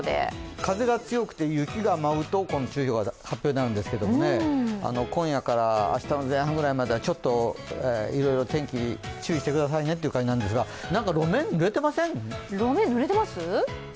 風が強くて雪が舞うとこの注意報が発表になるんですけれども、今夜から明日の前半ぐらいまではいろいろ天気、注意してくださいねという感じなんですがなんか路面、濡れていません？